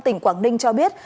tỉnh quảng ninh cho biết